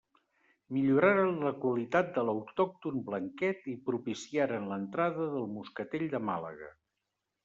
Milloraren la qualitat de l'autòcton blanquet i propiciaren l'entrada del moscatell de Màlaga.